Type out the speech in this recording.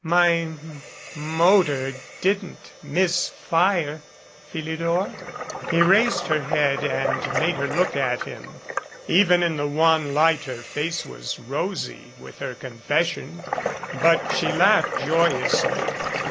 My m motor didn't miss fire, Philidor?" 341 MADCAP He raised her head and made her look at him. Even in the wan light her face was rosy with her confession. But she laughed joyously.